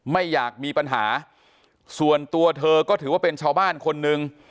ไม่อยากมีปัญหาส่วนตัวเธอก็ถือว่าเป็นชาวบ้านคนหนึ่ง